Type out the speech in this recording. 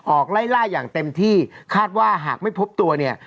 ไล่ล่าอย่างเต็มที่คาดว่าหากไม่พบตัวเนี่ย